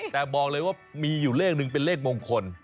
แต่บอกเลยว่ามีอยู่เลขหนึ่งเป็นเลขมงคล